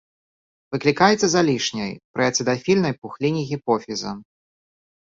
Выклікаецца залішняй пры ацыдафільнай пухліне гіпофіза.